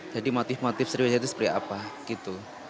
jadi motif motif sriwijaya itu seperti apa gitu